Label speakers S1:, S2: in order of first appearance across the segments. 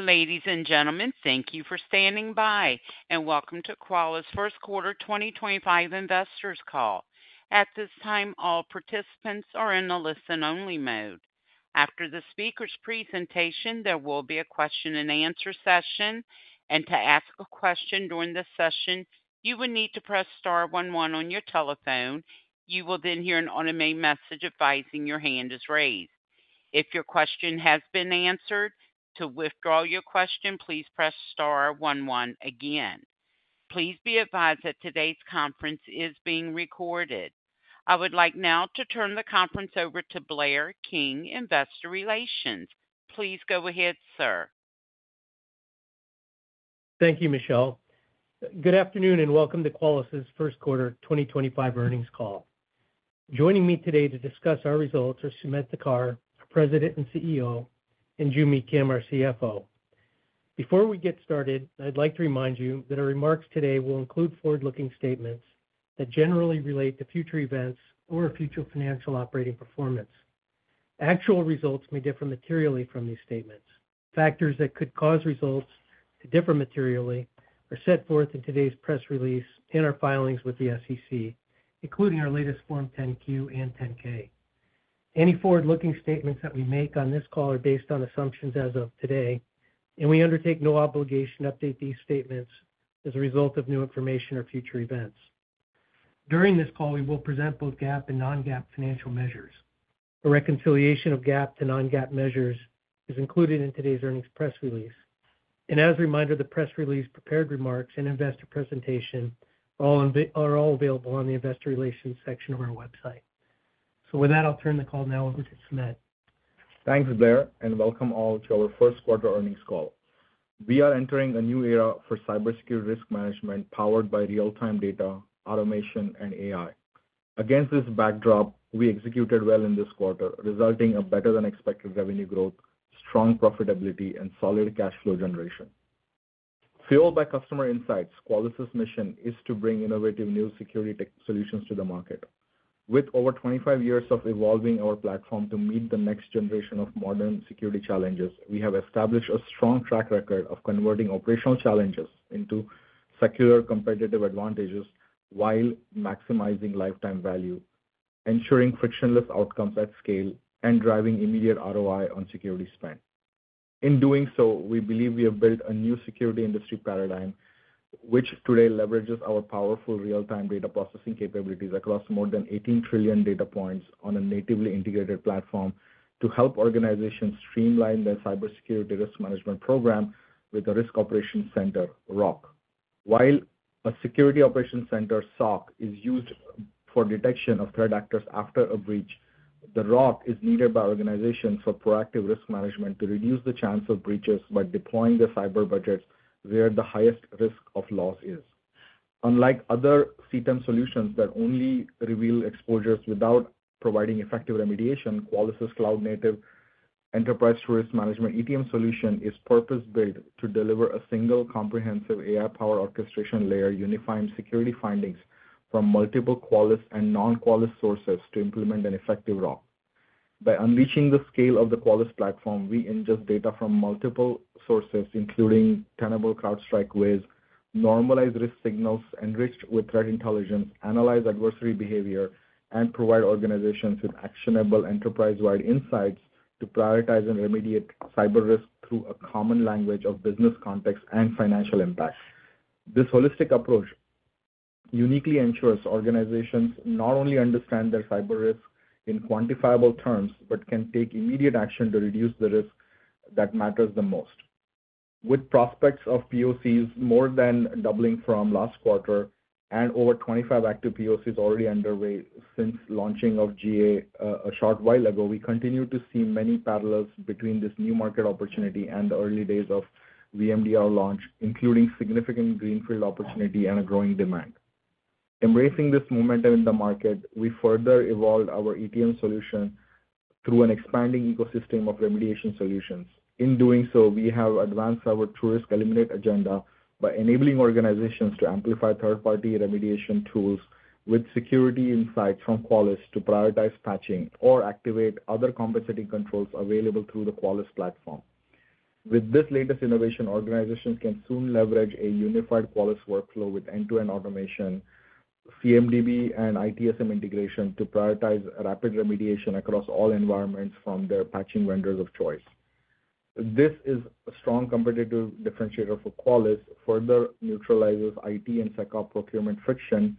S1: Ladies and gentlemen, thank you for standing by, and welcome to Qualys First Quarter 2025 Investors Call. At this time, all participants are in the listen-only mode. After the speaker's presentation, there will be a question-and-answer session, and to ask a question during this session, you will need to press star 11 on your telephone. You will then hear an automated message advising your hand is raised. If your question has been answered, to withdraw your question, please press star 11 again. Please be advised that today's conference is being recorded. I would like now to turn the conference over to Blair King, Investor Relations. Please go ahead, sir.
S2: Thank you, Michelle. Good afternoon and welcome to Qualys' First Quarter 2025 Earnings Call. Joining me today to discuss our results are Sumedh Thakar, our President and CEO, and Joo Mi Kim, our CFO. Before we get started, I'd like to remind you that our remarks today will include forward-looking statements that generally relate to future events or future financial operating performance. Actual results may differ materially from these statements. Factors that could cause results to differ materially are set forth in today's press release and our filings with the SEC, including our latest Form 10Q and 10K. Any forward-looking statements that we make on this call are based on assumptions as of today, and we undertake no obligation to update these statements as a result of new information or future events. During this call, we will present both GAAP and non-GAAP financial measures. A reconciliation of GAAP to non-GAAP measures is included in today's earnings press release. As a reminder, the press release, prepared remarks, and investor presentation are all available on the investor relations section of our website. With that, I'll turn the call now over to Sumedh.
S3: Thanks, Blair, and welcome all to our First Quarter Earnings Call. We are entering a new era for cybersecurity risk management powered by real-time data, automation, and AI. Against this backdrop, we executed well in this quarter, resulting in better-than-expected revenue growth, strong profitability, and solid cash flow generation. Fueled by customer insights, Qualys' mission is to bring innovative new security solutions to the market. With over 25 years of evolving our platform to meet the next generation of modern security challenges, we have established a strong track record of converting operational challenges into secular competitive advantages while maximizing lifetime value, ensuring frictionless outcomes at scale, and driving immediate ROI on security spend. In doing so, we believe we have built a new security industry paradigm, which today leverages our powerful real-time data processing capabilities across more than 18 trillion data points on a natively integrated platform to help organizations streamline their cybersecurity risk management program with the Risk Operations Center, ROC. While a Security Operations Center, SOC, is used for detection of threat actors after a breach, the ROC is needed by organizations for proactive risk management to reduce the chance of breaches by deploying the cyber budgets where the highest risk of loss is. Unlike other CTEM solutions that only reveal exposures without providing effective remediation, Qualys' cloud-native enterprise risk management ETM solution is purpose-built to deliver a single comprehensive AI-powered orchestration layer unifying security findings from multiple Qualys and non-Qualys sources to implement an effective ROC. By unleashing the scale of the Qualys platform, we ingest data from multiple sources, including Tenable, CrowdStrike, Wiz, normalize risk signals enriched with threat intelligence, analyze adversary behavior, and provide organizations with actionable enterprise-wide insights to prioritize and remediate cyber risk through a common language of business context and financial impact. This holistic approach uniquely ensures organizations not only understand their cyber risk in quantifiable terms but can take immediate action to reduce the risk that matters the most. With prospects of POCs more than doubling from last quarter and over 25 active POCs already underway since launching of GA a short while ago, we continue to see many parallels between this new market opportunity and the early days of VMDR launch, including significant greenfield opportunity and a growing demand. Embracing this momentum in the market, we further evolved our ETM solution through an expanding ecosystem of remediation solutions. In doing so, we have advanced our TruRisk eliminate agenda by enabling organizations to amplify third-party remediation tools with security insights from Qualys to prioritize patching or activate other compensating controls available through the Qualys platform. With this latest innovation, organizations can soon leverage a unified Qualys workflow with end-to-end automation, CMDB, and ITSM integration to prioritize rapid remediation across all environments from their patching vendors of choice. This is a strong competitive differentiator for Qualys, further neutralizes IT and SecOp procurement friction,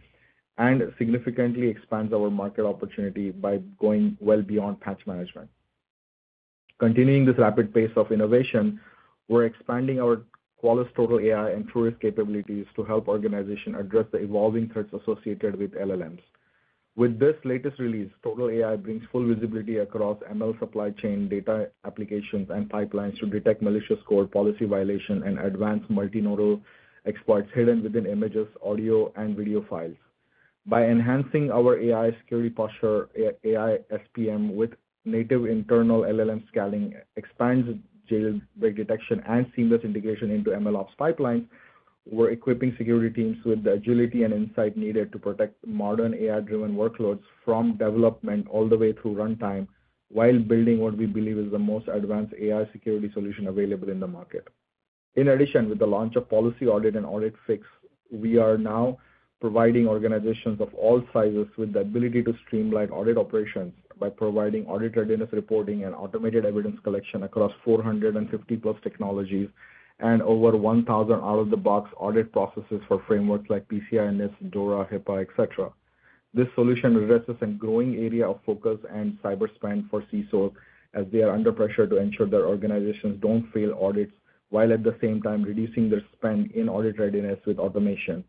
S3: and significantly expands our market opportunity by going well beyond Patch Management. Continuing this rapid pace of innovation, we're expanding our Qualys TotalAI and TruRisk capabilities to help organizations address the evolving threats associated with LLMs. With this latest release, TotalAI brings full visibility across ML supply chain, data applications, and pipelines to detect malicious code, policy violations, and advanced multinodal exploits hidden within images, audio, and video files. By enhancing our AI security posture, AI SPM with native internal LLM scaling expands jailbreak detection and seamless integration into MLOps pipelines. We're equipping security teams with the agility and insight needed to protect modern AI-driven workloads from development all the way through runtime while building what we believe is the most advanced AI security solution available in the market. In addition, with the launch of Policy Audit and Audit Fix, we are now providing organizations of all sizes with the ability to streamline audit operations by providing audit readiness reporting and automated evidence collection across 450-plus technologies and over 1,000 out-of-the-box audit processes for frameworks like PCI, NIST, DORA, HIPAA, etc. This solution addresses a growing area of focus and cyber spend for CISOs as they are under pressure to ensure their organizations don't fail audits while at the same time reducing their spend in audit readiness with automation,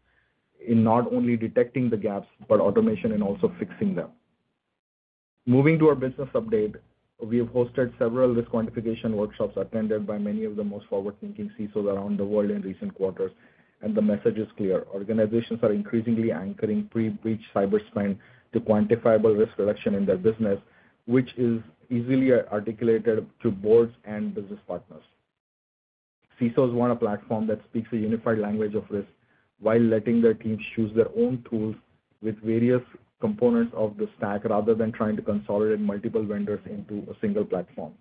S3: not only detecting the gaps but automation and also fixing them. Moving to our business update, we have hosted several risk quantification workshops attended by many of the most forward-thinking CISOs around the world in recent quarters, and the message is clear. Organizations are increasingly anchoring pre-breach cyber spend to quantifiable risk reduction in their business, which is easily articulated to boards and business partners. CISOs want a platform that speaks a unified language of risk while letting their teams choose their own tools with various components of the stack rather than trying to consolidate multiple vendors into a single platform.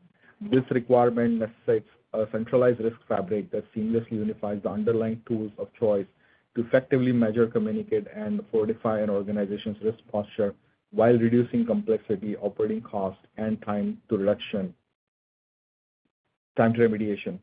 S3: This requirement necessitates a centralized risk fabric that seamlessly unifies the underlying tools of choice to effectively measure, communicate, and fortify an organization's risk posture while reducing complexity, operating cost, and time to remediation.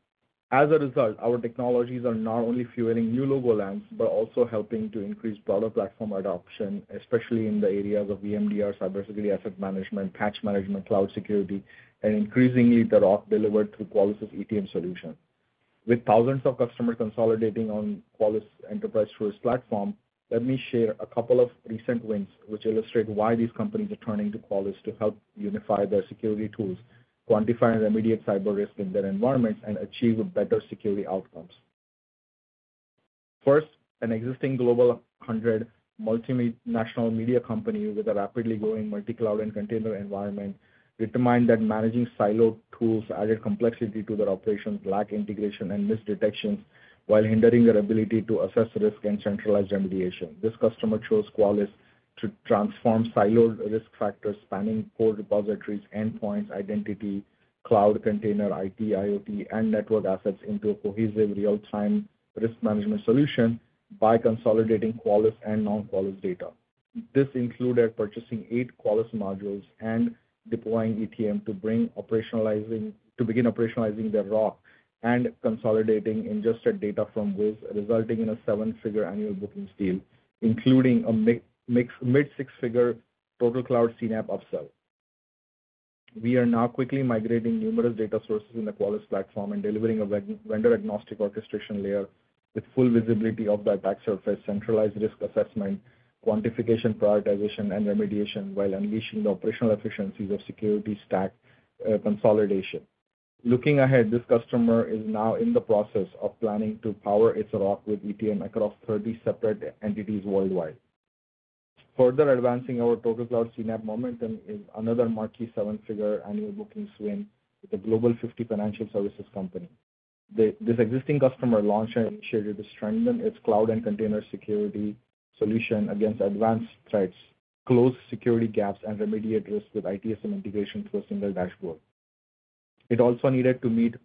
S3: As a result, our technologies are not only fueling new logolands but also helping to increase broader platform adoption, especially in the areas of VMDR, cybersecurity asset management, patch management, cloud security, and increasingly the ROC delivered through Qualys' ETM solution. With thousands of customers consolidating on Qualys' enterprise TruRisk platform, let me share a couple of recent wins which illustrate why these companies are turning to Qualys to help unify their security tools, quantify and remediate cyber risk in their environments, and achieve better security outcomes. First, an existing global 100 multi-national media company with a rapidly growing multi-cloud and container environment determined that managing siloed tools added complexity to their operations, lacked integration, and misdetections while hindering their ability to assess risk and centralized remediation. This customer chose Qualys to transform siloed risk factors spanning core repositories, endpoints, identity, cloud, container, IT, IoT, and network assets into a cohesive real-time risk management solution by consolidating Qualys and non-Qualys data. This included purchasing eight Qualys modules and deploying ETM to begin operationalizing their ROC and consolidating ingested data from Wiz, resulting in a seven-figure annual booking steal, including a mid-six-figure TotalCloud CNAPP upsell. We are now quickly migrating numerous data sources in the Qualys platform and delivering a vendor-agnostic orchestration layer with full visibility of the attack surface, centralized risk assessment, quantification, prioritization, and remediation while unleashing the operational efficiencies of security stack consolidation. Looking ahead, this customer is now in the process of planning to power its ROC with ETM across 30 separate entities worldwide. Further advancing our TotalCloud CNAPP momentum is another marquee seven-figure annual booking swing with a global 50 financial services company. This existing customer launched and initiated to strengthen its cloud and container security solution against advanced threats, close security gaps, and remediate risks with ITSM integration through a single dashboard. It also needed to meet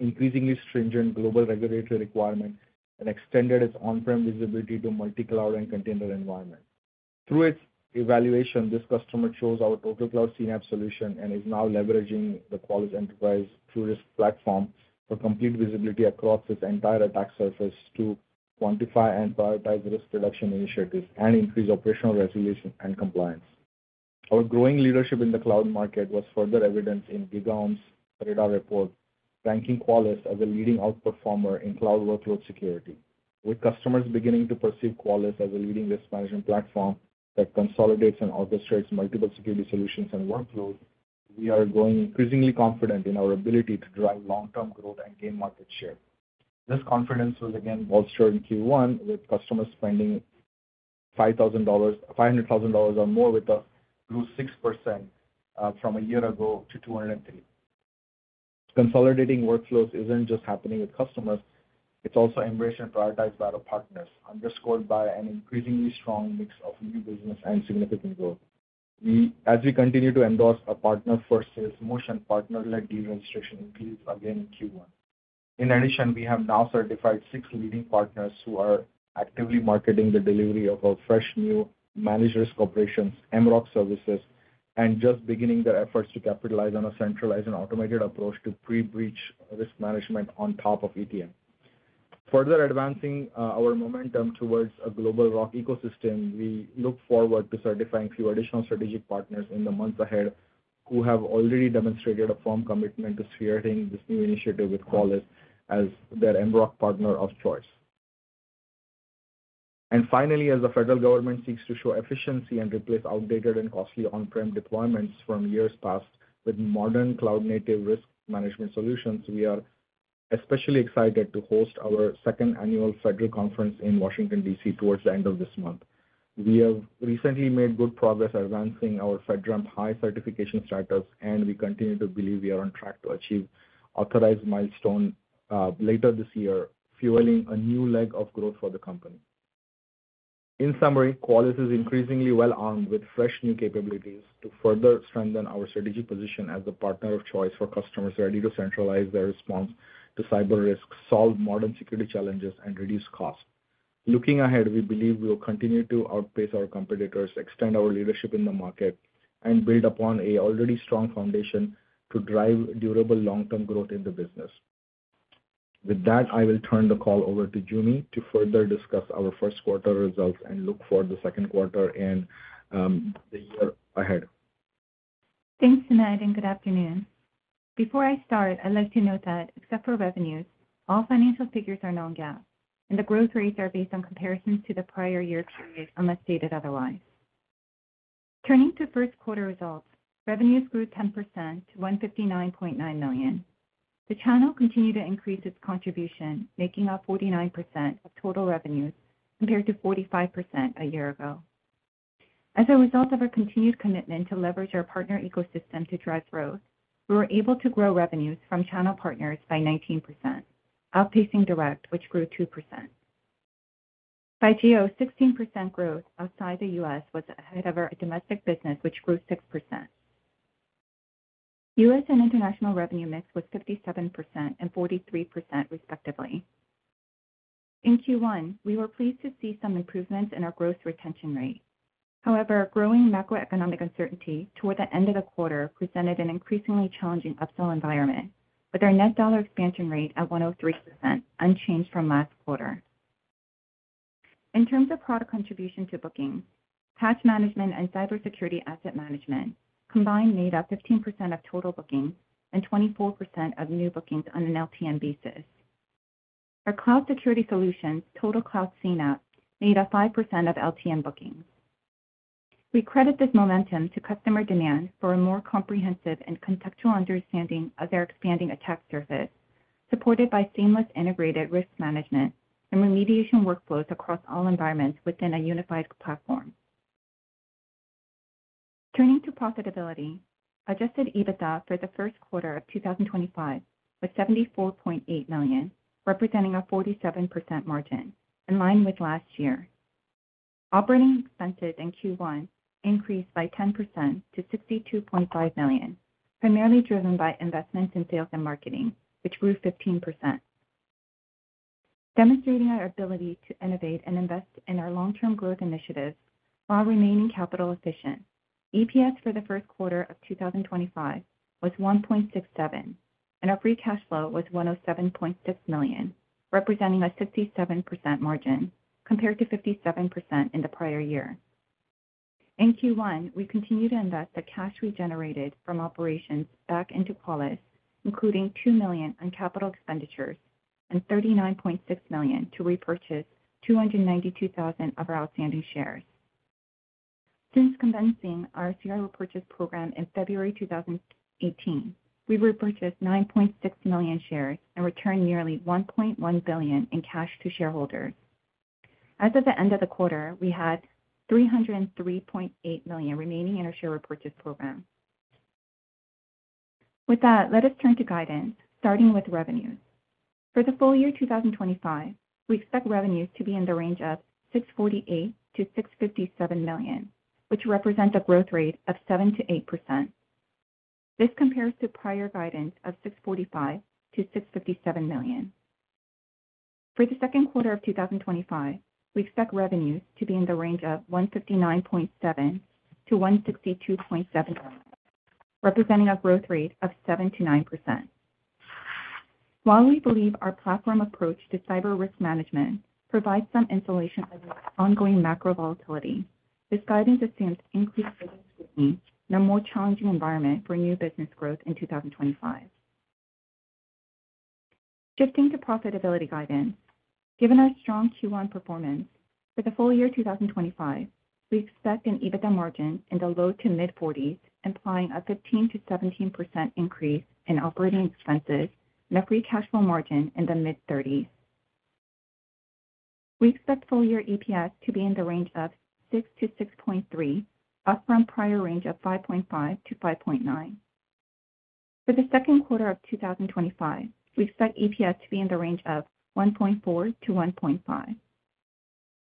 S3: increasingly stringent global regulatory requirements and extended its on-prem visibility to multi-cloud and container environments. Through its evaluation, this customer chose our TotalCloud CNAPP solution and is now leveraging the Qualys Enterprise TruRisk Platform for complete visibility across its entire attack surface to quantify and prioritize risk reduction initiatives and increase operational regulation and compliance. Our growing leadership in the cloud market was further evidenced in GigaOm's radar report, ranking Qualys as a leading outperformer in cloud workload security. With customers beginning to perceive Qualys as a leading risk management platform that consolidates and orchestrates multiple security solutions and workloads, we are growing increasingly confident in our ability to drive long-term growth and gain market share. This confidence was again bolstered in Q1 with customers spending $500,000 or more with a growth of 6% from a year ago to 203. Consolidating workflows is not just happening with customers; it is also embraced and prioritized by our partners, underscored by an increasingly strong mix of new business and significant growth. As we continue to endorse our partner for sales, Motion Partner-led deal registration increased again in Q1. In addition, we have now certified six leading partners who are actively marketing the delivery of our fresh new managed risk operations, MROC services, and just beginning their efforts to capitalize on a centralized and automated approach to pre-breach risk management on top of ETM. Further advancing our momentum towards a global ROC ecosystem, we look forward to certifying a few additional strategic partners in the months ahead who have already demonstrated a firm commitment to spearheading this new initiative with Qualys as their MROC partner of choice. Finally, as the federal government seeks to show efficiency and replace outdated and costly on-prem deployments from years past with modern cloud-native risk management solutions, we are especially excited to host our second annual federal conference in Washington, D.C., towards the end of this month. We have recently made good progress advancing our FedRAMP High certification status, and we continue to believe we are on track to achieve authorized milestones later this year, fueling a new leg of growth for the company. In summary, Qualys is increasingly well armed with fresh new capabilities to further strengthen our strategic position as the partner of choice for customers ready to centralize their response to cyber risks, solve modern security challenges, and reduce costs. Looking ahead, we believe we will continue to outpace our competitors, extend our leadership in the market, and build upon an already strong foundation to drive durable long-term growth in the business. With that, I will turn the call over to Joo Mi to further discuss our first quarter results and look for the second quarter and the year ahead.
S4: Thanks, Sinay, and good afternoon. Before I start, I'd like to note that, except for revenues, all financial figures are non-GAAP, and the growth rates are based on comparisons to the prior year period unless stated otherwise. Turning to first quarter results, revenues grew 10% to $159.9 million. The channel continued to increase its contribution, making up 49% of total revenues compared to 45% a year ago. As a result of our continued commitment to leverage our partner ecosystem to drive growth, we were able to grow revenues from channel partners by 19%, outpacing Direct, which grew 2%. By GEO, 16% growth outside the U.S. was ahead of our domestic business, which grew 6%. U.S. and international revenue mix was 57% and 43%, respectively. In Q1, we were pleased to see some improvements in our gross retention rate. However, growing macroeconomic uncertainty toward the end of the quarter presented an increasingly challenging upsell environment, with our net dollar expansion rate at 103%, unchanged from last quarter. In terms of product contribution to bookings, Patch Management and Cybersecurity Asset Management combined made up 15% of total bookings and 24% of new bookings on an LTM basis. Our cloud security solutions, TotalCloud CNAPP, made up 5% of LTM bookings. We credit this momentum to customer demand for a more comprehensive and contextual understanding of their expanding attack surface, supported by seamless integrated risk management and remediation workflows across all environments within a unified platform. Turning to profitability, adjusted EBITDA for the first quarter of 2025 was $74.8 million, representing a 47% margin, in line with last year. Operating expenses in Q1 increased by 10% to $62.5 million, primarily driven by investments in sales and marketing, which grew 15%. Demonstrating our ability to innovate and invest in our long-term growth initiatives while remaining capital efficient, EPS for the first quarter of 2025 was $1.67, and our free cash flow was $107.6 million, representing a 67% margin compared to 57% in the prior year. In Q1, we continued to invest the cash we generated from operations back into Qualys, including $2 million on capital expenditures and $39.6 million to repurchase 292,000 of our outstanding shares. Since commencing our share repurchase program in February 2018, we repurchased 9.6 million shares and returned nearly $1.1 billion in cash to shareholders. As of the end of the quarter, we had $303.8 million remaining in our share repurchase program. With that, let us turn to guidance, starting with revenues. For the full year 2025, we expect revenues to be in the range of $648 million-$657 million, which represents a growth rate of 7%-8%. This compares to prior guidance of $645 million-$657 million. For the second quarter of 2025, we expect revenues to be in the range of $159.7 million-$162.7 million, representing a growth rate of 7%-9%. While we believe our platform approach to cyber risk management provides some insulation against ongoing macro volatility, this guidance assumes increased business scrutiny and a more challenging environment for new business growth in 2025. Shifting to profitability guidance, given our strong Q1 performance, for the full year 2025, we expect an EBITDA margin in the low to mid-40s, implying a 15%-17% increase in operating expenses and a free cash flow margin in the mid-30s. We expect full year EPS to be in the range of $6-$6.3, up from prior range of $5.5-$5.9. For the second quarter of 2025, we expect EPS to be in the range of $1.4-$1.5.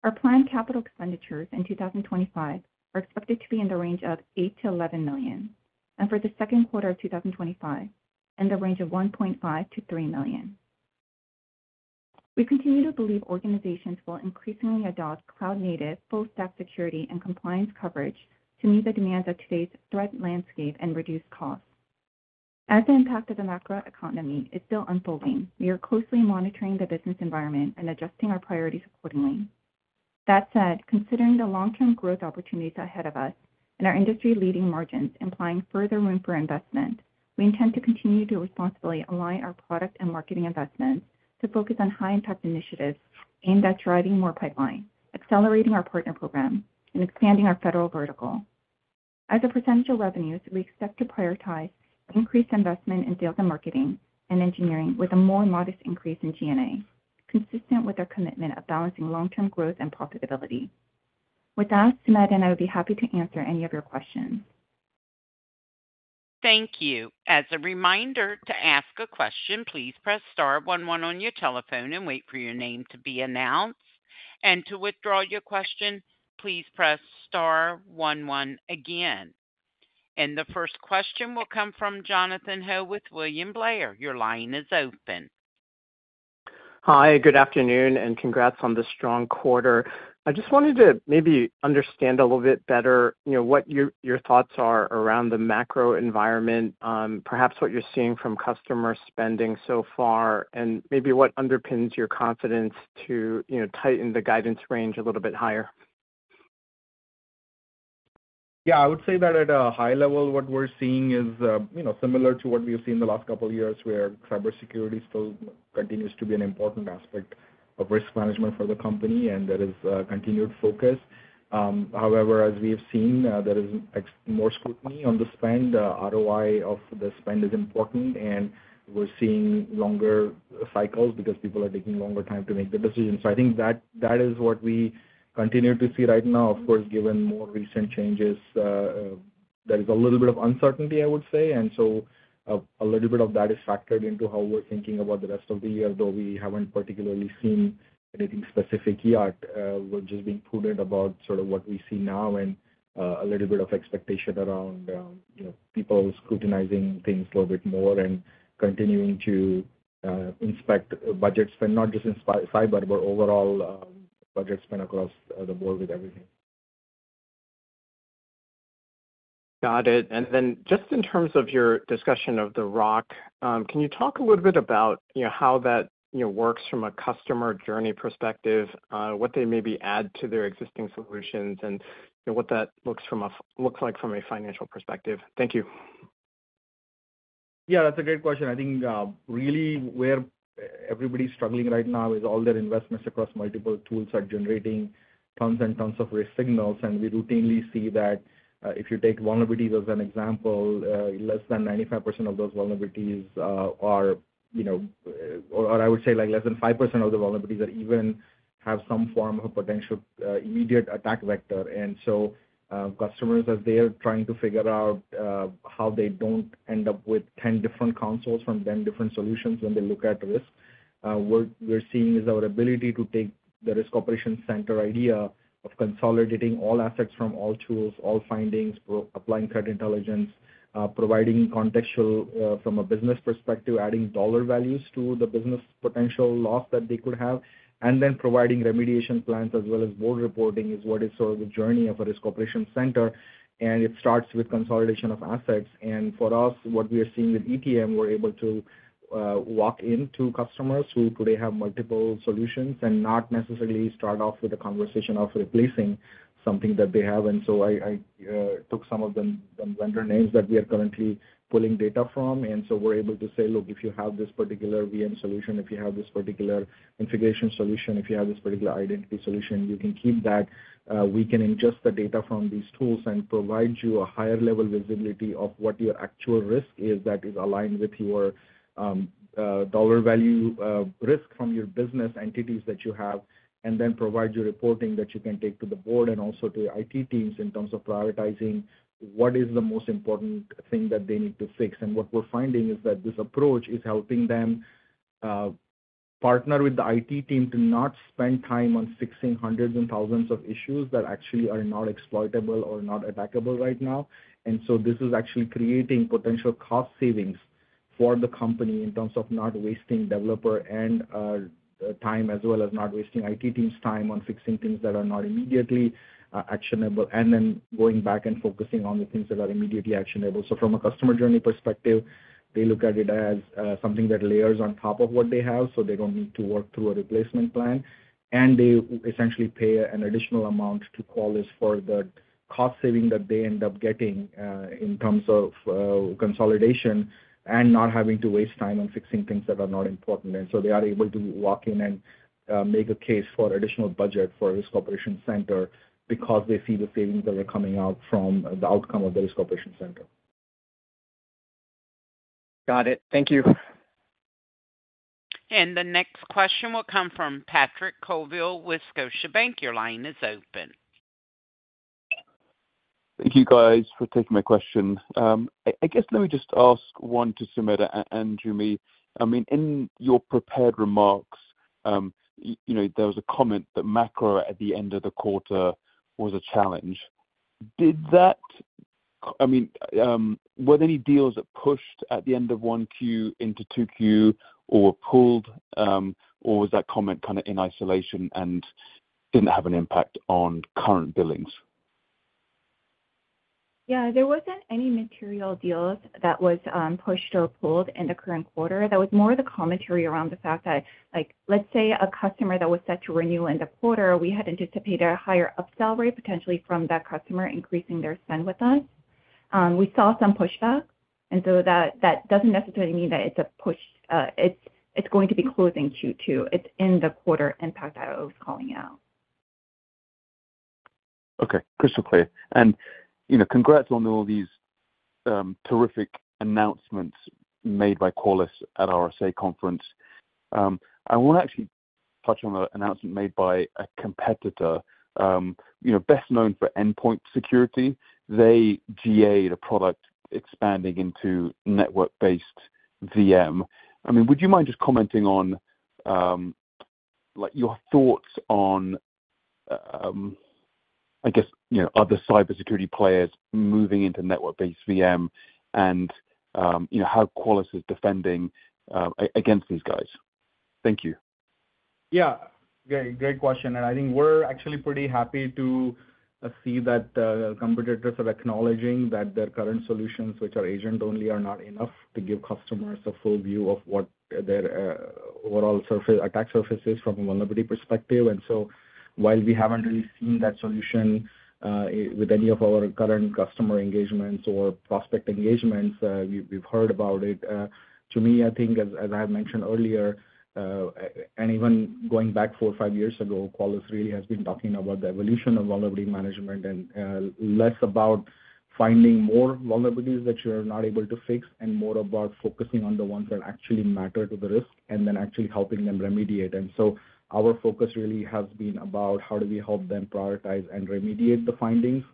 S4: Our planned capital expenditures in 2025 are expected to be in the range of $8-$11 million, and for the second quarter of 2025, in the range of $1.5-$3 million. We continue to believe organizations will increasingly adopt cloud-native full-stack security and compliance coverage to meet the demands of today's threat landscape and reduce costs. As the impact of the macroeconomy is still unfolding, we are closely monitoring the business environment and adjusting our priorities accordingly. That said, considering the long-term growth opportunities ahead of us and our industry-leading margins implying further room for investment, we intend to continue to responsibly align our product and marketing investments to focus on high-impact initiatives aimed at driving more pipeline, accelerating our partner program, and expanding our federal vertical. As a percentage of revenues, we expect to prioritize increased investment in sales and marketing and engineering with a more modest increase in G&A, consistent with our commitment of balancing long-term growth and profitability. With that, Sinay and I would be happy to answer any of your questions.
S1: Thank you. As a reminder to ask a question, please press star 11 on your telephone and wait for your name to be announced. To withdraw your question, please press star 11 again. The first question will come from Jonathan Ho with William Blair. Your line is open.
S5: Hi, good afternoon, and congrats on the strong quarter. I just wanted to maybe understand a little bit better what your thoughts are around the macro environment, perhaps what you're seeing from customer spending so far, and maybe what underpins your confidence to tighten the guidance range a little bit higher.
S3: Yeah, I would say that at a high level, what we're seeing is similar to what we've seen the last couple of years, where cybersecurity still continues to be an important aspect of risk management for the company, and there is continued focus. However, as we have seen, there is more scrutiny on the spend. ROI of the spend is important, and we're seeing longer cycles because people are taking longer time to make the decision. I think that is what we continue to see right now. Of course, given more recent changes, there is a little bit of uncertainty, I would say, and a little bit of that is factored into how we're thinking about the rest of the year, though we haven't particularly seen anything specific yet. We're just being prudent about sort of what we see now and a little bit of expectation around people scrutinizing things a little bit more and continuing to inspect budget spend, not just in cyber, but overall budget spend across the board with everything.
S5: Got it. In terms of your discussion of the ROC, can you talk a little bit about how that works from a customer journey perspective, what they maybe add to their existing solutions, and what that looks like from a financial perspective? Thank you.
S3: Yeah, that's a great question. I think really where everybody's struggling right now is all their investments across multiple tools are generating tons and tons of risk signals, and we routinely see that if you take vulnerabilities as an example, less than 5% of those vulnerabilities even have some form of potential immediate attack vector. Customers, as they're trying to figure out how they don't end up with 10 different consoles from 10 different solutions when they look at risk, what we're seeing is our ability to take the Risk Operations Center idea of consolidating all assets from all tools, all findings, applying threat intelligence, providing contextual from a business perspective, adding dollar values to the business potential loss that they could have, and then providing remediation plans as well as board reporting is what is sort of the journey of a Risk Operations Center, and it starts with consolidation of assets. For us, what we are seeing with ETM, we're able to walk in to customers who today have multiple solutions and not necessarily start off with a conversation of replacing something that they have. I took some of the vendor names that we are currently pulling data from, and we are able to say, "Look, if you have this particular VM solution, if you have this particular configuration solution, if you have this particular identity solution, you can keep that. We can ingest the data from these tools and provide you a higher level visibility of what your actual risk is that is aligned with your dollar value risk from your business entities that you have, and then provide you reporting that you can take to the board and also to IT teams in terms of prioritizing what is the most important thing that they need to fix. What we're finding is that this approach is helping them partner with the IT team to not spend time on fixing hundreds and thousands of issues that actually are not exploitable or not attackable right now. This is actually creating potential cost savings for the company in terms of not wasting developer time as well as not wasting IT teams' time on fixing things that are not immediately actionable and then going back and focusing on the things that are immediately actionable. From a customer journey perspective, they look at it as something that layers on top of what they have, so they do not need to work through a replacement plan, and they essentially pay an additional amount to Qualys for the cost saving that they end up getting in terms of consolidation and not having to waste time on fixing things that are not important. They are able to walk in and make a case for additional budget for a Risk Operations Center because they see the savings that are coming out from the outcome of the Risk Operations Center.
S5: Got it. Thank you.
S1: The next question will come from Patrick Colville with Scotiabank. Your line is open.
S6: Thank you, guys, for taking my question. I guess let me just ask one to Sumedh and Joo Mi. I mean, in your prepared remarks, there was a comment that macro at the end of the quarter was a challenge. I mean, were there any deals that pushed at the end of one Q into two Q or were pulled, or was that comment kind of in isolation and didn't have an impact on current billings?
S4: Yeah, there wasn't any material deals that were pushed or pulled in the current quarter. That was more of the commentary around the fact that, let's say, a customer that was set to renew in the quarter, we had anticipated a higher upsell rate potentially from that customer increasing their spend with us. We saw some pushback, and so that doesn't necessarily mean that it's a push; it's going to be closing Q2. It's in the quarter impact that I was calling out.
S6: Okay, crystal clear. And congrats on all these terrific announcements made by Qualys at our SA conference. I want to actually touch on the announcement made by a competitor best known for endpoint security. They GAed a product expanding into network-based VM. I mean, would you mind just commenting on your thoughts on, I guess, other cybersecurity players moving into network-based VM and how Qualys is defending against these guys? Thank you.
S3: Yeah, great question. I think we're actually pretty happy to see that competitors are acknowledging that their current solutions, which are agent-only, are not enough to give customers a full view of what their overall attack surface is from a vulnerability perspective. While we haven't really seen that solution with any of our current customer engagements or prospect engagements, we've heard about it. To me, I think, as I have mentioned earlier, and even going back four or five years ago, Qualys really has been talking about the evolution of vulnerability management and less about finding more vulnerabilities that you're not able to fix and more about focusing on the ones that actually matter to the risk and then actually helping them remediate. Our focus really has been about how do we help them prioritize and remediate the findings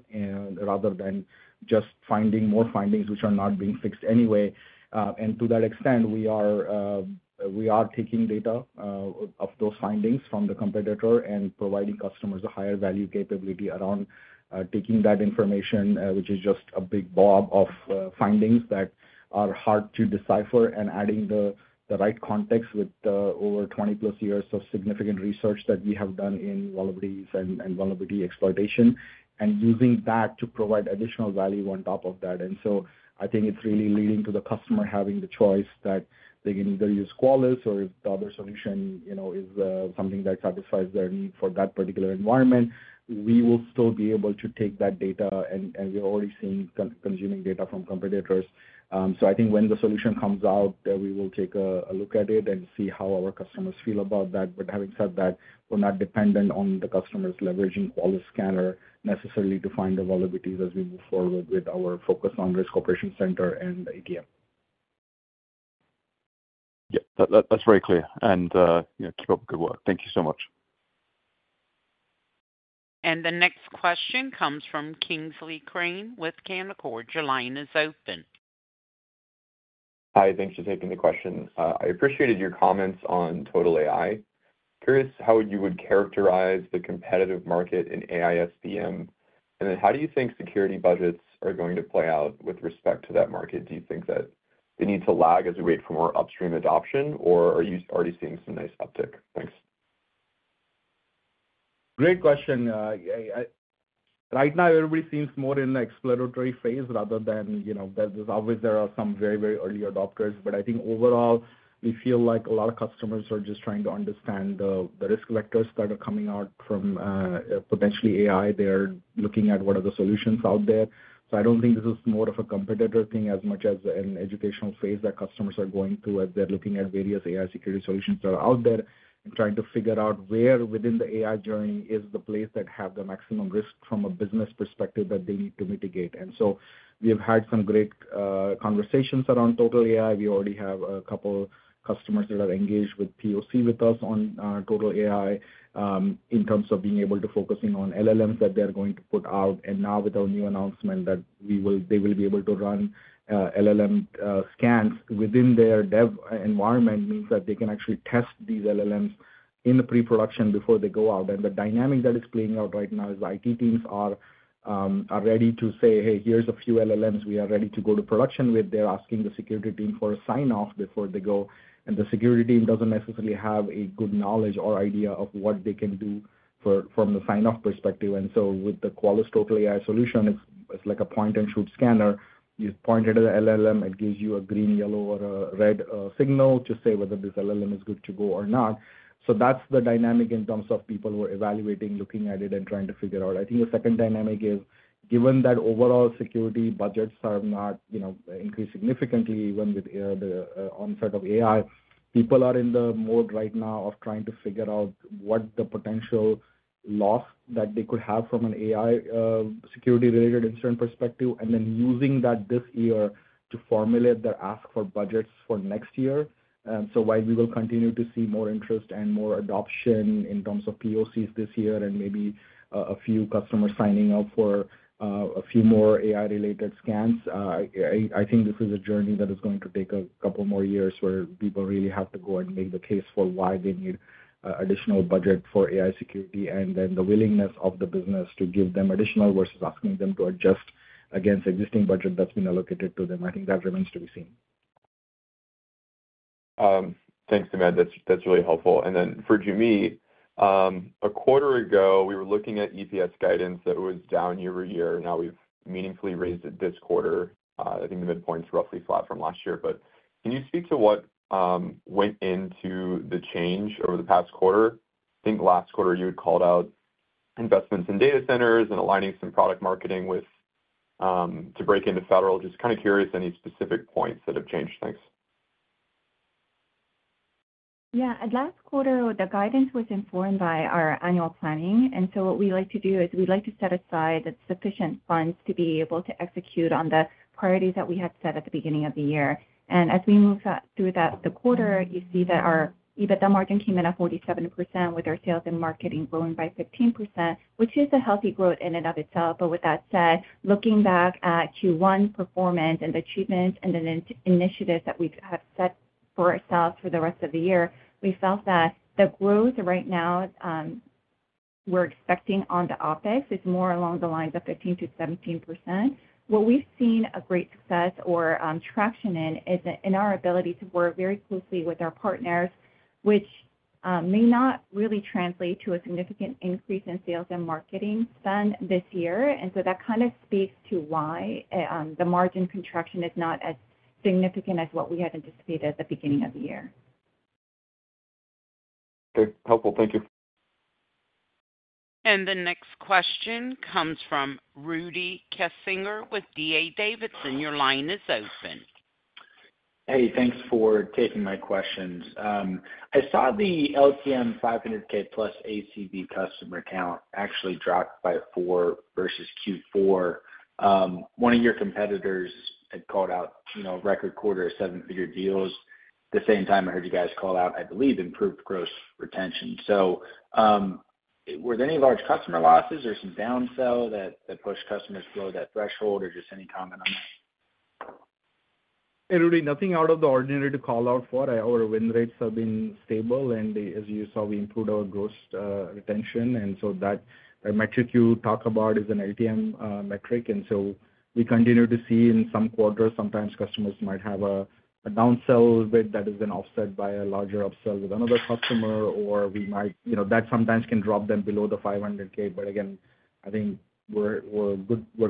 S3: rather than just finding more findings which are not being fixed anyway. To that extent, we are taking data of those findings from the competitor and providing customers a higher value capability around taking that information, which is just a big blob of findings that are hard to decipher, and adding the right context with over 20 plus years of significant research that we have done in vulnerabilities and vulnerability exploitation and using that to provide additional value on top of that. I think it's really leading to the customer having the choice that they can either use Qualys or if the other solution is something that satisfies their need for that particular environment, we will still be able to take that data, and we're already seeing consuming data from competitors. I think when the solution comes out, we will take a look at it and see how our customers feel about that. Having said that, we're not dependent on the customers leveraging Qualys scanner necessarily to find the vulnerabilities as we move forward with our focus on risk operation center and ETM.
S6: Yeah, that's very clear. Keep up the good work. Thank you so much.
S1: The next question comes from Kingsley Crane with William Blair. Line is open.
S7: Hi, thanks for taking the question. I appreciated your comments on TotalAI. Curious how you would characterize the competitive market in AI SBM, and then how do you think security budgets are going to play out with respect to that market? Do you think that they need to lag as we wait for more upstream adoption, or are you already seeing some nice uptick? Thanks.
S3: Great question. Right now, everybody seems more in the exploratory phase rather than there's obviously some very, very early adopters, but I think overall, we feel like a lot of customers are just trying to understand the risk vectors that are coming out from potentially AI. They're looking at what are the solutions out there. I don't think this is more of a competitor thing as much as an educational phase that customers are going through as they're looking at various AI security solutions that are out there and trying to figure out where within the AI journey is the place that has the maximum risk from a business perspective that they need to mitigate. We have had some great conversations around TotalAI. We already have a couple of customers that are engaged with POC with us on TotalAI in terms of being able to focus on LLMs that they're going to put out. Now with our new announcement that they will be able to run LLM scans within their dev environment means that they can actually test these LLMs in pre-production before they go out. The dynamic that is playing out right now is IT teams are ready to say, "Hey, here's a few LLMs we are ready to go to production with." They're asking the security team for a sign-off before they go, and the security team doesn't necessarily have a good knowledge or idea of what they can do from the sign-off perspective. With the Qualys TotalAI solution, it's like a point-and-shoot scanner. You point it at the LLM, it gives you a green, yellow, or a red signal to say whether this LLM is good to go or not. That is the dynamic in terms of people who are evaluating, looking at it, and trying to figure out. I think the second dynamic is given that overall security budgets are not increased significantly even with the onset of AI, people are in the mode right now of trying to figure out what the potential loss that they could have from an AI security-related incident perspective and then using that this year to formulate their ask for budgets for next year. While we will continue to see more interest and more adoption in terms of POCs this year and maybe a few customers signing up for a few more AI-related scans, I think this is a journey that is going to take a couple more years where people really have to go and make the case for why they need additional budget for AI security and then the willingness of the business to give them additional versus asking them to adjust against existing budget that's been allocated to them. I think that remains to be seen.
S7: Thanks, Sumedh. That's really helpful. And then for Joo Mi, a quarter ago, we were looking at EPS guidance that was down year-over-year. Now we've meaningfully raised it this quarter. I think the midpoint is roughly flat from last year. But can you speak to what went into the change over the past quarter? I think last quarter you had called out investments in data centers and aligning some product marketing to break into federal. Just kind of curious any specific points that have changed. Thanks.
S4: Yeah. Last quarter, the guidance was informed by our annual planning. What we like to do is we'd like to set aside sufficient funds to be able to execute on the priorities that we had set at the beginning of the year. As we move through the quarter, you see that our EBITDA margin came in at 47% with our sales and marketing growing by 15%, which is a healthy growth in and of itself. With that said, looking back at Q1 performance and the achievements and the initiatives that we have set for ourselves for the rest of the year, we felt that the growth right now we're expecting on the OpEx is more along the lines of 15-17%. What we've seen a great success or traction in is in our ability to work very closely with our partners, which may not really translate to a significant increase in sales and marketing spend this year. That kind of speaks to why the margin contraction is not as significant as what we had anticipated at the beginning of the year.
S7: Okay, helpful. Thank you.
S1: The next question comes from Rudy Kessinger with D.A. Davidson. Your line is open.
S8: Hey, thanks for taking my questions. I saw the LCM $500,000-plus ACV customer count actually dropped by four versus Q4. One of your competitors had called out record quarter seven-figure deals. At the same time, I heard you guys call out, I believe, improved gross retention. Were there any large customer losses or some downsell that pushed customers below that threshold or just any comment on that?
S3: Hey, Rudy, nothing out of the ordinary to call out for. Our win rates have been stable, and as you saw, we improved our gross retention. That metric you talk about is an LTM metric. We continue to see in some quarters, sometimes customers might have a downsell a bit that is then offset by a larger upsell with another customer, or that sometimes can drop them below the $500,000. I think we're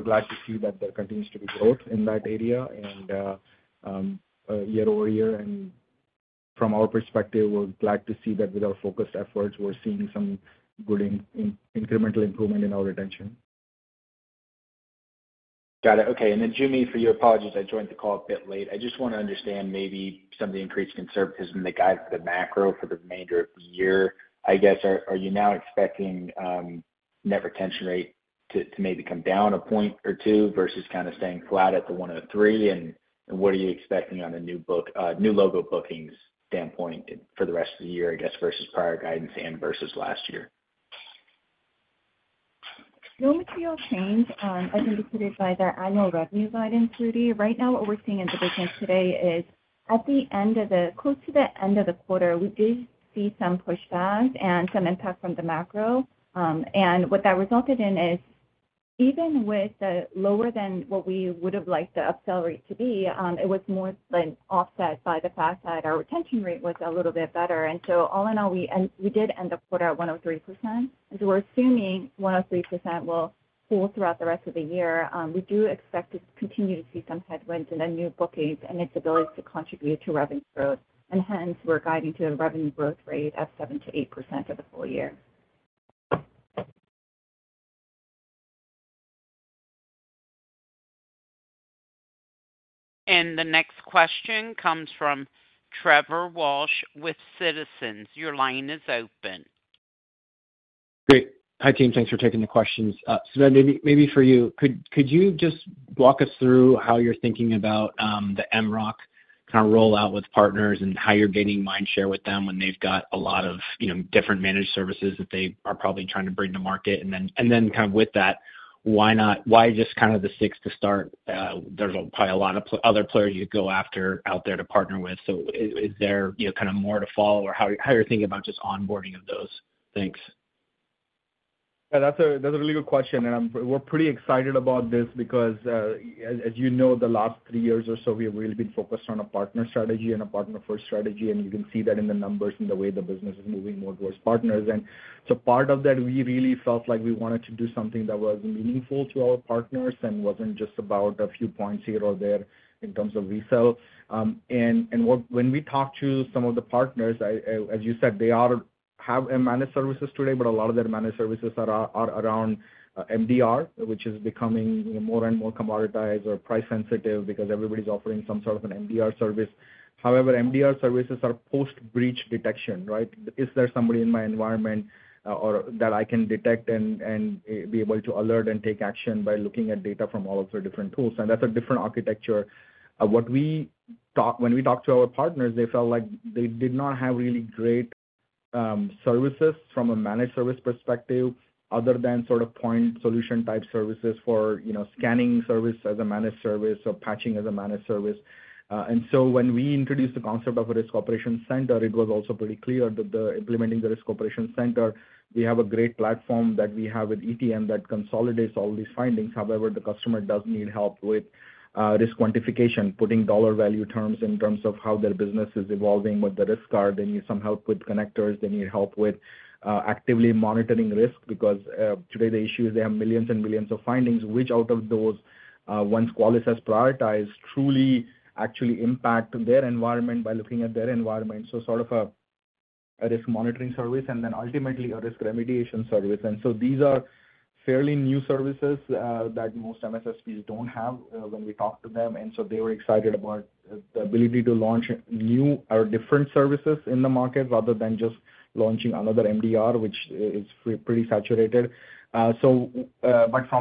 S3: glad to see that there continues to be growth in that area year-over-year. From our perspective, we're glad to see that with our focused efforts, we're seeing some good incremental improvement in our retention.
S8: Got it. Okay. Joo Mi, apologies, I joined the call a bit late. I just want to understand maybe some of the increased conservatism that guides the macro for the remainder of the year. I guess, are you now expecting net retention rate to maybe come down a point or two versus kind of staying flat at the 103%? What are you expecting on a new logo bookings standpoint for the rest of the year, I guess, versus prior guidance and versus last year?
S4: The only real change as indicated by the annual revenue guidance, Rudy, right now what we're seeing in the business today is at the end of the close to the end of the quarter, we did see some pushback and some impact from the macro. What that resulted in is even with the lower than what we would have liked the upsell rate to be, it was more than offset by the fact that our retention rate was a little bit better. All in all, we did end the quarter at 103%. We are assuming 103% will pull throughout the rest of the year. We do expect to continue to see some headwinds in the new bookings and its ability to contribute to revenue growth. Hence, we're guiding to a revenue growth rate of 7-8% for the full year.
S1: The next question comes from Trevor Walsh with Citizens. Your line is open.
S9: Great. Hi, team. Thanks for taking the questions. Sumedh, maybe for you, could you just walk us through how you're thinking about the MROC kind of rollout with partners and how you're gaining mindshare with them when they've got a lot of different managed services that they are probably trying to bring to market? With that, why just the six to start? There's probably a lot of other players you could go after out there to partner with. Is there more to follow or how are you thinking about just onboarding of those things?
S3: Yeah, that's a really good question. We're pretty excited about this because, as you know, the last three years or so, we have really been focused on a partner strategy and a partner-first strategy. You can see that in the numbers and the way the business is moving more towards partners. Part of that, we really felt like we wanted to do something that was meaningful to our partners and was not just about a few points here or there in terms of resell. When we talk to some of the partners, as you said, they have managed services today, but a lot of their managed services are around MDR, which is becoming more and more commoditized or price-sensitive because everybody's offering some sort of an MDR service. However, MDR services are post-breach detection, right? Is there somebody in my environment that I can detect and be able to alert and take action by looking at data from all of the different tools? That is a different architecture. When we talked to our partners, they felt like they did not have really great services from a managed service perspective other than sort of point solution type services for scanning service as a managed service or patching as a managed service. When we introduced the concept of a Risk Operations Center, it was also pretty clear that implementing the Risk Operations Center, we have a great platform that we have with ETM that consolidates all these findings. However, the customer does need help with risk quantification, putting dollar value terms in terms of how their business is evolving with the risk card. They need some help with connectors. They need help with actively monitoring risk because today the issue is they have millions and millions of findings, which out of those, once Qualys has prioritized, truly actually impact their environment by looking at their environment. So sort of a risk monitoring service and then ultimately a risk remediation service. These are fairly new services that most MSSPs do not have when we talk to them. They were excited about the ability to launch new or different services in the market rather than just launching another MDR, which is pretty saturated. From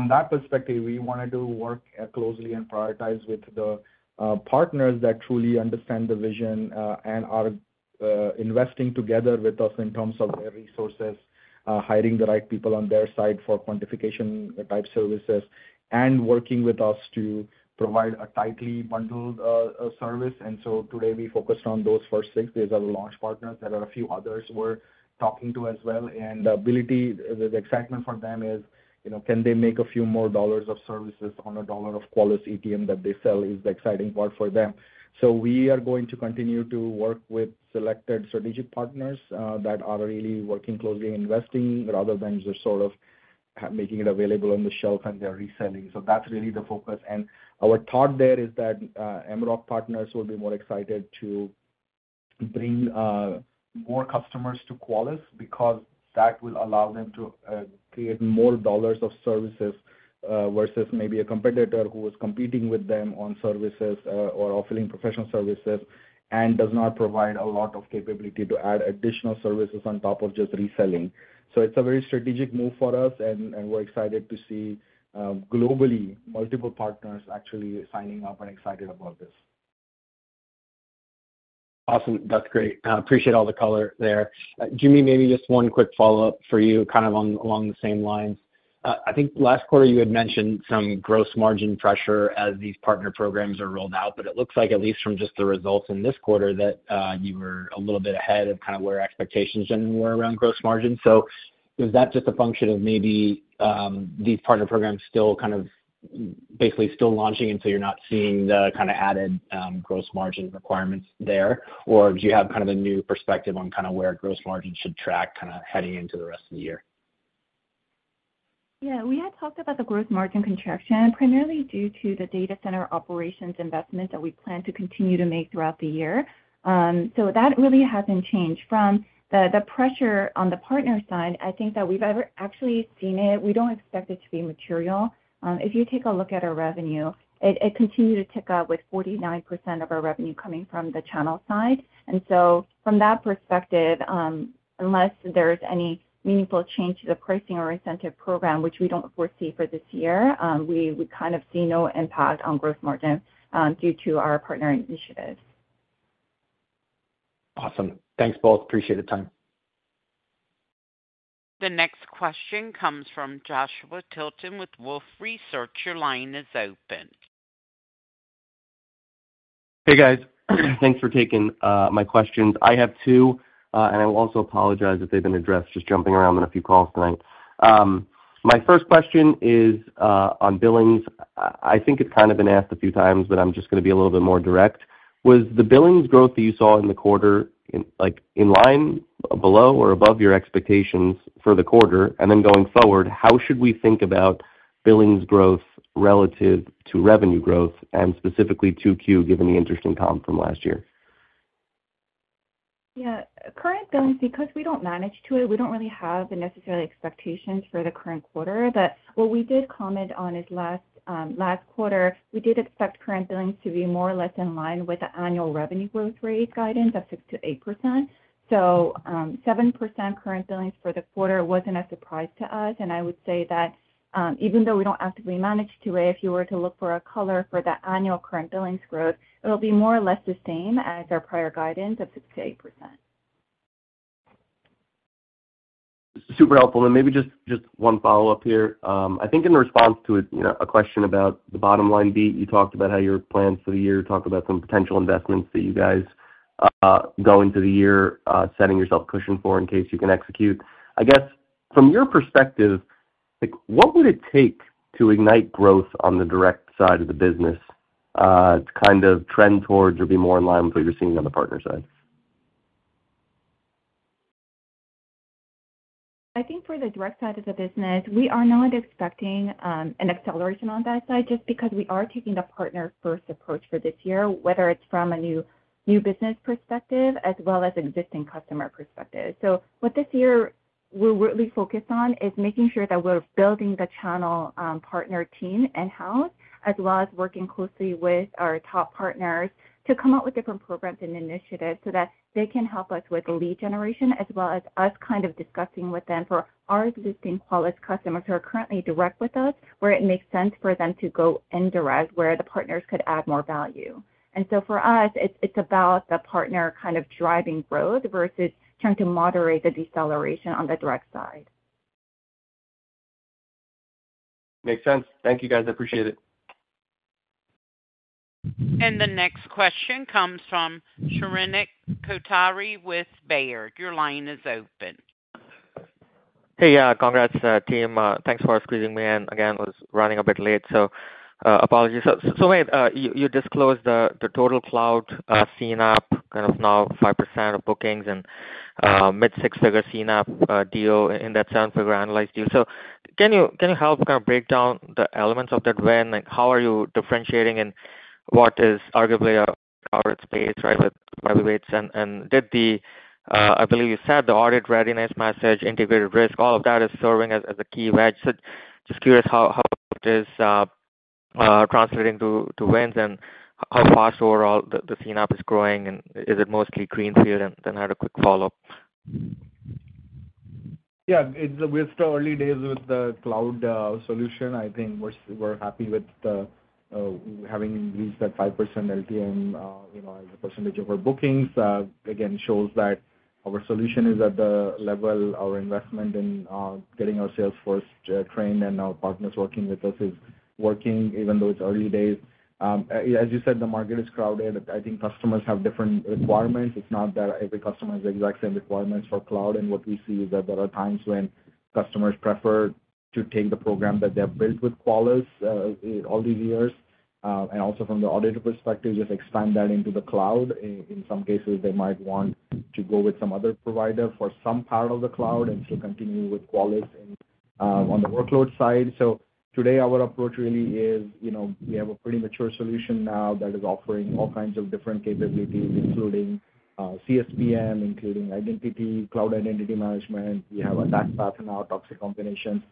S3: that perspective, we wanted to work closely and prioritize with the partners that truly understand the vision and are investing together with us in terms of their resources, hiring the right people on their side for quantification type services, and working with us to provide a tightly bundled service. Today, we focused on those first six. These are the launch partners. There are a few others we're talking to as well. The ability, the excitement for them is, can they make a few more dollars of services on a dollar of Qualys ETM that they sell is the exciting part for them. We are going to continue to work with selected strategic partners that are really working closely, investing rather than just sort of making it available on the shelf and they're reselling. That is really the focus. Our thought there is that MROC partners will be more excited to bring more customers to Qualys because that will allow them to create more dollars of services versus maybe a competitor who is competing with them on services or offering professional services and does not provide a lot of capability to add additional services on top of just reselling. It is a very strategic move for us, and we are excited to see globally multiple partners actually signing up and excited about this.
S9: Awesome. That's great. Appreciate all the color there. Joo Mi, maybe just one quick follow-up for you kind of along the same lines. I think last quarter, you had mentioned some gross margin pressure as these partner programs are rolled out, but it looks like at least from just the results in this quarter that you were a little bit ahead of kind of where expectations generally were around gross margin. Is that just a function of maybe these partner programs still kind of basically still launching until you're not seeing the kind of added gross margin requirements there? Do you have kind of a new perspective on kind of where gross margin should track kind of heading into the rest of the year?
S4: Yeah. We had talked about the gross margin contraction primarily due to the data center operations investment that we plan to continue to make throughout the year. That really has not changed. From the pressure on the partner side, I think that we have actually seen it. We do not expect it to be material. If you take a look at our revenue, it continued to tick up with 49% of our revenue coming from the channel side. From that perspective, unless there is any meaningful change to the pricing or incentive program, which we do not foresee for this year, we kind of see no impact on gross margin due to our partner initiatives.
S9: Awesome. Thanks both. Appreciate the time.
S1: The next question comes from Joshua Tilton with Wolfe Research. Your line is open.
S10: Hey, guys. Thanks for taking my questions. I have two, and I will also apologize if they've been addressed just jumping around on a few calls tonight. My first question is on billings. I think it's kind of been asked a few times, but I'm just going to be a little bit more direct. Was the billings growth that you saw in the quarter in line, below, or above your expectations for the quarter? Going forward, how should we think about billings growth relative to revenue growth and specifically to Q given the interesting comp from last year?
S4: Yeah. Current billings, because we do not manage to it, we do not really have necessarily expectations for the current quarter. What we did comment on is last quarter, we did expect current billings to be more or less in line with the annual revenue growth rate guidance of 6-8%. 7% current billings for the quarter was not a surprise to us. I would say that even though we do not actively manage to it, if you were to look for a color for the annual current billings growth, it will be more or less the same as our prior guidance of 6-8%.
S10: Super helpful. Maybe just one follow-up here. I think in response to a question about the bottom line beat, you talked about how your plans for the year talk about some potential investments that you guys go into the year setting yourself cushion for in case you can execute. I guess from your perspective, what would it take to ignite growth on the direct side of the business to kind of trend towards or be more in line with what you're seeing on the partner side?
S4: I think for the direct side of the business, we are not expecting an acceleration on that side just because we are taking the partner-first approach for this year, whether it's from a new business perspective as well as existing customer perspective. What this year we're really focused on is making sure that we're building the channel partner team in-house as well as working closely with our top partners to come up with different programs and initiatives so that they can help us with lead generation as well as us kind of discussing with them for our existing Qualys customers who are currently direct with us where it makes sense for them to go indirect where the partners could add more value. For us, it's about the partner kind of driving growth versus trying to moderate the deceleration on the direct side.
S10: Makes sense. Thank you, guys. Appreciate it.
S1: The next question comes from Shrenik Kothari with Baird. Your line is open.
S11: Hey, yeah, congrats, team. Thanks for squeezing me in. Again, I was running a bit late, so apologies. Wait, you disclosed the TotalCloud CNAPP kind of now 5% of bookings and mid-six-figure CNAPP deal in that seven-figure analyzed deal. Can you help kind of break down the elements of that win? How are you differentiating in what is arguably a target space, right, with revenue rates? Did the, I believe you said, the audit readiness message, integrated risk, all of that is serving as a key wedge? Just curious how it is translating to wins and how fast overall the CNAP is growing and is it mostly greenfield? I had a quick follow-up.
S3: Yeah. We're still early days with the cloud solution. I think we're happy with having reached that 5% LTM as a percentage of our bookings. Again, shows that our solution is at the level, our investment in getting our sales force trained and our partners working with us is working, even though it's early days. As you said, the market is crowded. I think customers have different requirements. It's not that every customer has the exact same requirements for cloud. What we see is that there are times when customers prefer to take the program that they have built with Qualys all these years. Also, from the auditor perspective, just expand that into the cloud. In some cases, they might want to go with some other provider for some part of the cloud and still continue with Qualys on the workload side. Today, our approach really is we have a pretty mature solution now that is offering all kinds of different capabilities, including CSPM, including cloud identity management. We have attack path and now toxic combinations.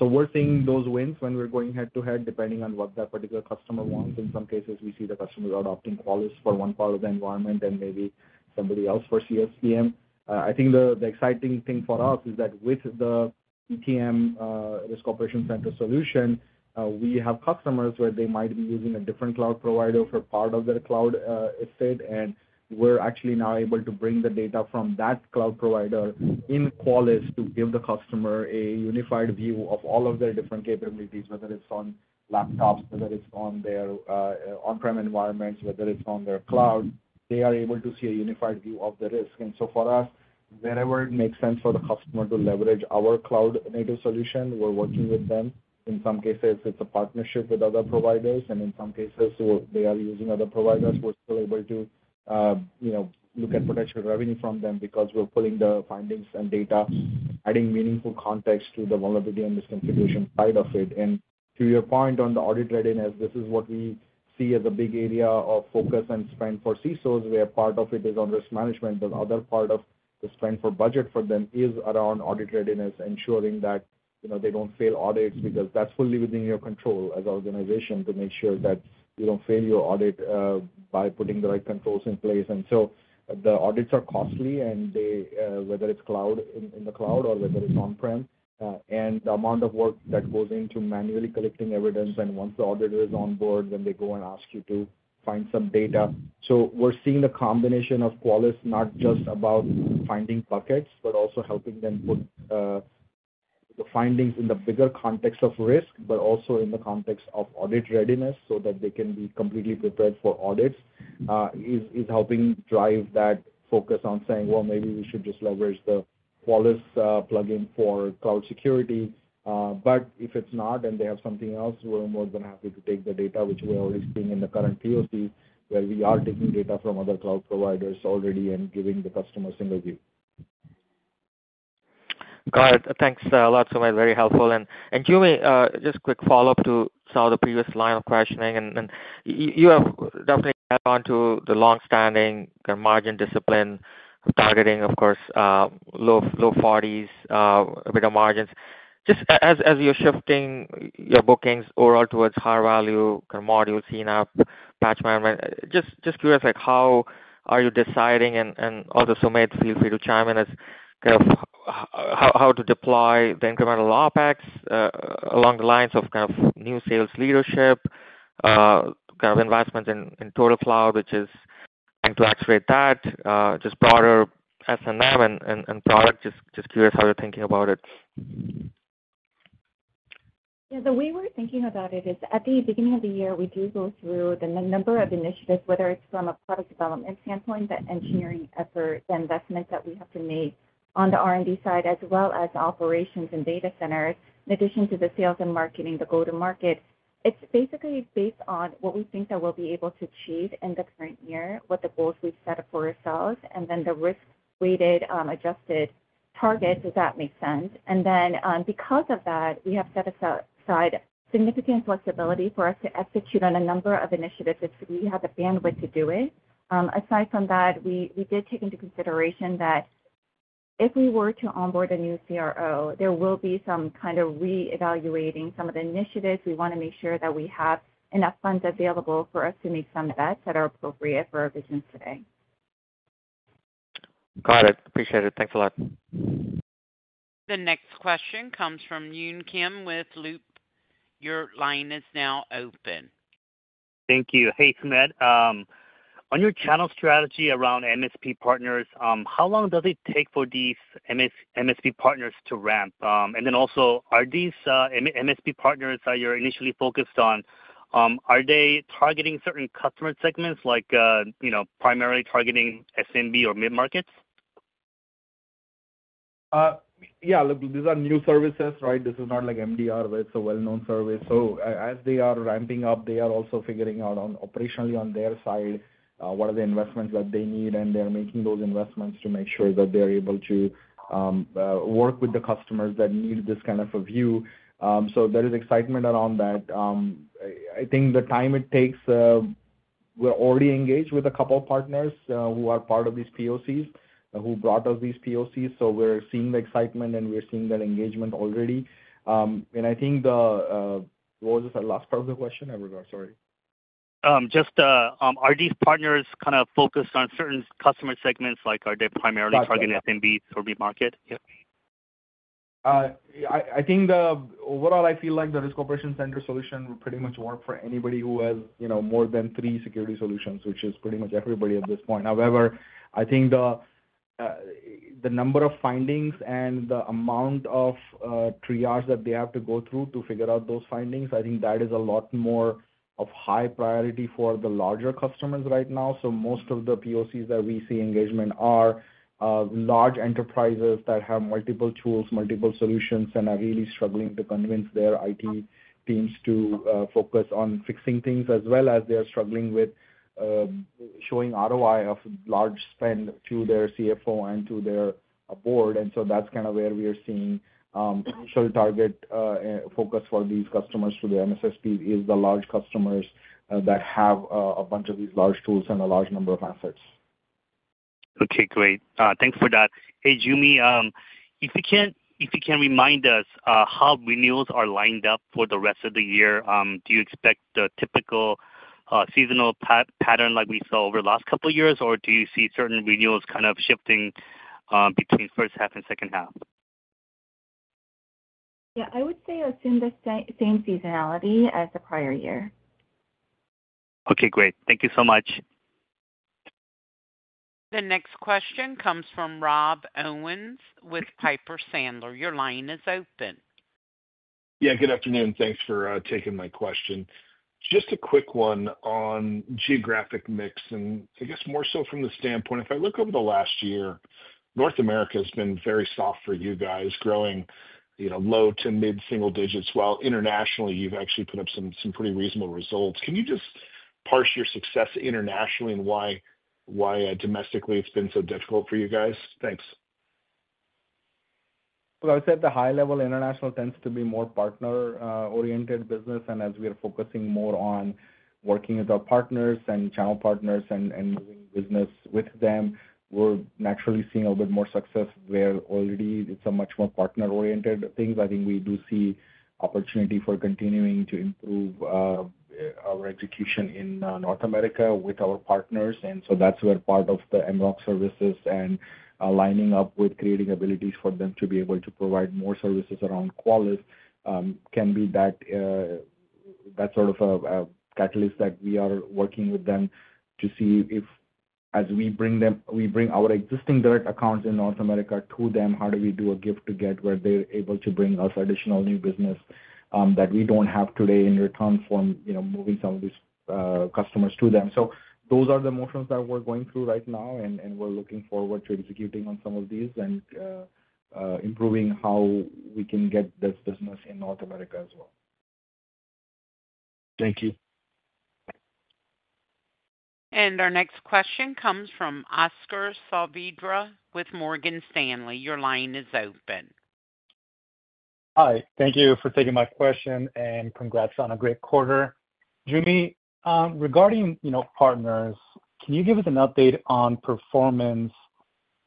S3: We're seeing those wins when we're going head to head, depending on what that particular customer wants. In some cases, we see the customers adopting Qualys for one part of the environment and maybe somebody else for CSPM. I think the exciting thing for us is that with the ETM risk operation center solution, we have customers where they might be using a different cloud provider for part of their cloud estate. We're actually now able to bring the data from that cloud provider in Qualys to give the customer a unified view of all of their different capabilities, whether it's on laptops, whether it's on their on-prem environments, whether it's on their cloud. They are able to see a unified view of the risk. For us, wherever it makes sense for the customer to leverage our cloud native solution, we're working with them. In some cases, it's a partnership with other providers. In some cases, they are using other providers. We're still able to look at potential revenue from them because we're pulling the findings and data, adding meaningful context to the vulnerability and misconfiguration side of it. To your point on the audit readiness, this is what we see as a big area of focus and spend for CSOs, where part of it is on risk management, but the other part of the spend for budget for them is around audit readiness, ensuring that they do not fail audits because that is fully within your control as an organization to make sure that you do not fail your audit by putting the right controls in place. The audits are costly, whether it is in the cloud or whether it is on-prem, and the amount of work that goes into manually collecting evidence. Once the auditor is on board, they go and ask you to find some data. We're seeing the combination of Qualys, not just about finding buckets, but also helping them put the findings in the bigger context of risk, but also in the context of audit readiness so that they can be completely prepared for audits, is helping drive that focus on saying, "Maybe we should just leverage the Qualys plugin for cloud security." If it's not and they have something else, we're more than happy to take the data, which we're already seeing in the current POC, where we are taking data from other cloud providers already and giving the customer single view.
S11: Got it. Thanks a lot, Sumedh. Very helpful. And Joo Mi, just quick follow-up to some of the previous line of questioning. You have definitely added on to the long-standing margin discipline, targeting, of course, low 40s, a bit of margins. Just as you're shifting your bookings overall towards higher value, kind of module CNAPP, Patch Management, just curious how are you deciding? Also, Sumedh, feel free to chime in as kind of how to deploy the incremental OpEx along the lines of kind of new sales leadership, kind of investments in TotalCloud, which is going to accelerate that, just broader S&M and product. Just curious how you're thinking about it.
S4: Yeah. The way we're thinking about it is at the beginning of the year, we do go through the number of initiatives, whether it's from a product development standpoint, the engineering effort, the investment that we have to make on the R&D side, as well as operations and data centers, in addition to the sales and marketing, the go-to-market. It's basically based on what we think that we'll be able to achieve in the current year, what the goals we've set up for ourselves, and then the risk-weighted, adjusted target, if that makes sense. Because of that, we have set aside significant flexibility for us to execute on a number of initiatives if we have the bandwidth to do it. Aside from that, we did take into consideration that if we were to onboard a new CRO, there will be some kind of re-evaluating some of the initiatives. We want to make sure that we have enough funds available for us to make some bets that are appropriate for our vision today.
S11: Got it. Appreciate it. Thanks a lot.
S1: The next question comes from Yun Kim with Loop. Your line is now open.
S12: Thank you. Hey, Sumedh. On your channel strategy around MSP partners, how long does it take for these MSP partners to ramp? Also, are these MSP partners you're initially focused on, are they targeting certain customer segments, like primarily targeting SMB or mid-markets?
S3: Yeah. Look, these are new services, right? This is not like MDR, where it's a well-known service. As they are ramping up, they are also figuring out operationally on their side what are the investments that they need. They're making those investments to make sure that they're able to work with the customers that need this kind of a view. There is excitement around that. I think the time it takes, we're already engaged with a couple of partners who are part of these POCs, who brought us these POCs. We're seeing the excitement, and we're seeing that engagement already. I think the what was the last part of the question? I forgot. Sorry.
S12: Just are these partners kind of focused on certain customer segments? Are they primarily targeting SMBs or mid-market?
S3: Yeah. I think overall, I feel like the Risk Operations Center solution will pretty much work for anybody who has more than three security solutions, which is pretty much everybody at this point. However, I think the number of findings and the amount of triage that they have to go through to figure out those findings, I think that is a lot more of high priority for the larger customers right now. Most of the POCs that we see engagement are large enterprises that have multiple tools, multiple solutions, and are really struggling to convince their IT teams to focus on fixing things, as well as they are struggling with showing ROI of large spend to their CFO and to their board. That is kind of where we are seeing initial target focus for these customers to the MSSPs is the large customers that have a bunch of these large tools and a large number of assets.
S12: Okay. Great. Thanks for that. Hey, Joo Mi, if you can remind us how renewals are lined up for the rest of the year, do you expect the typical seasonal pattern like we saw over the last couple of years, or do you see certain renewals kind of shifting between first half and second half?
S4: Yeah. I would say assume the same seasonality as the prior year.
S12: Okay. Great. Thank you so much.
S1: The next question comes from Rob Owens with Piper Sandler. Your line is open.
S13: Yeah. Good afternoon. Thanks for taking my question. Just a quick one on geographic mix. I guess more so from the standpoint, if I look over the last year, North America has been very soft for you guys, growing low to mid-single digits, while internationally, you've actually put up some pretty reasonable results. Can you just parse your success internationally and why domestically it's been so difficult for you guys? Thanks.
S3: I would say at the high level, international tends to be more partner-oriented business. As we are focusing more on working with our partners and channel partners and moving business with them, we're naturally seeing a little bit more success where already it's a much more partner-oriented thing. I think we do see opportunity for continuing to improve our execution in North America with our partners. That is where part of the MROC services and aligning up with creating abilities for them to be able to provide more services around Qualys can be that sort of a catalyst that we are working with them to see if, as we bring our existing direct accounts in North America to them, how do we do a gift-to-get where they're able to bring us additional new business that we do not have today in return for moving some of these customers to them. Those are the motions that we are going through right now, and we are looking forward to executing on some of these and improving how we can get this business in North America as well.
S13: Thank you.
S1: Our next question comes from Oscar Saavedra with Morgan Stanley. Your line is open.
S14: Hi. Thank you for taking my question, and congrats on a great quarter. Joo Mi, regarding partners, can you give us an update on performance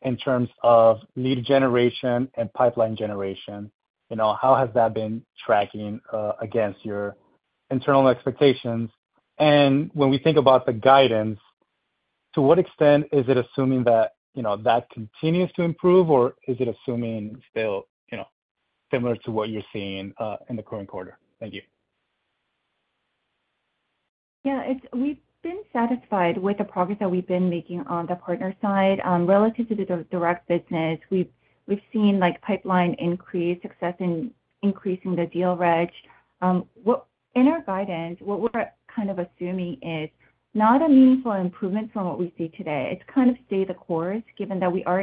S14: in terms of lead generation and pipeline generation? How has that been tracking against your internal expectations? When we think about the guidance, to what extent is it assuming that that continues to improve, or is it assuming still similar to what you're seeing in the current quarter? Thank you.
S4: Yeah. We've been satisfied with the progress that we've been making on the partner side. Relative to the direct business, we've seen pipeline increase, success in increasing the deal reg. In our guidance, what we're kind of assuming is not a meaningful improvement from what we see today. It's kind of stay the course, given that we are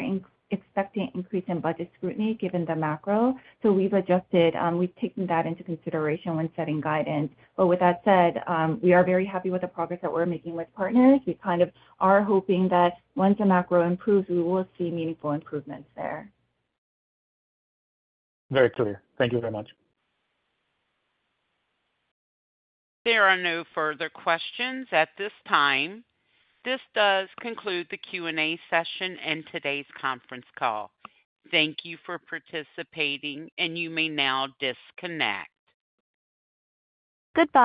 S4: expecting an increase in budget scrutiny given the macro. We've adjusted. We've taken that into consideration when setting guidance. With that said, we are very happy with the progress that we're making with partners. We kind of are hoping that once the macro improves, we will see meaningful improvements there.
S14: Very clear. Thank you very much.
S1: There are no further questions at this time. This does conclude the Q&A session and today's conference call. Thank you for participating, and you may now disconnect.
S4: Good.